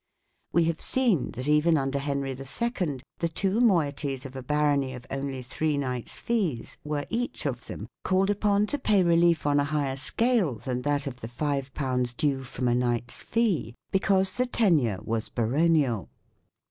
We have seen that even under Henry II the two moieties of a barony of only three knights' fees were, each of them, called upon to pay relief on a higher scale than that of the 5 due from a knight's fee, be cause the tenure was baronial.